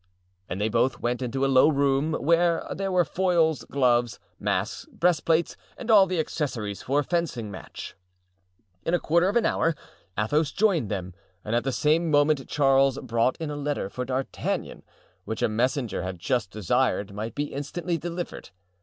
And they both went into a low room where there were foils, gloves, masks, breastplates, and all the accessories for a fencing match. In a quarter of an hour Athos joined them and at the same moment Charles brought in a letter for D'Artagnan, which a messenger had just desired might be instantly delivered.